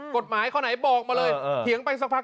กฎหมายข้อไหนบอกมาเลยเถียงไปสักพัก